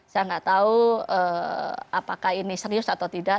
saya nggak tahu apakah ini serius atau tidak